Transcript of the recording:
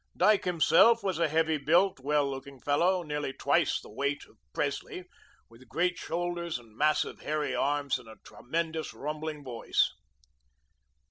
Dyke himself was a heavy built, well looking fellow, nearly twice the weight of Presley, with great shoulders and massive, hairy arms, and a tremendous, rumbling voice.